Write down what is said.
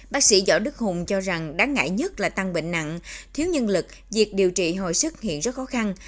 bác sĩ giỏi đức hùng cho rằng đáng ngại nhất là tăng bệnh nặng thiếu nhân lực việc điều trị hồi sức hiện rất khó khăn